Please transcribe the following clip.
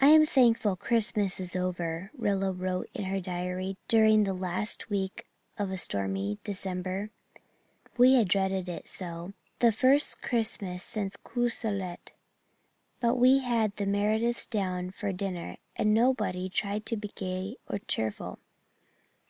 "I am thankful Christmas is over," Rilla wrote in her diary during the last week of a stormy December. "We had dreaded it so the first Christmas since Courcelette. But we had all the Merediths down for dinner and nobody tried to be gay or cheerful.